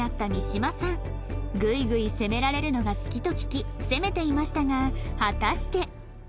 グイグイ攻められるのが好きと聞き攻めていましたが果たして